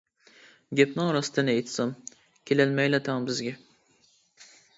گەپنىڭ راستىنى ئېيتسام، كېلەلمەيلا تەڭ بىزگە.